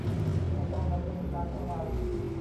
ไม่ต้องดำเนินการอะไร